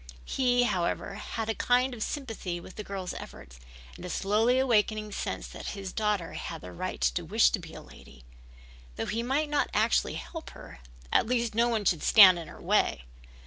He, however, had a kind of sympathy with the girl's efforts, and a slowly awakening sense that his daughter had the right to wish to be a lady. Though he might not actually help her, at least no one should stand in her way.